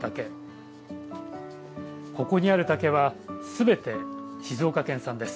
ここにある竹は全て静岡県産です。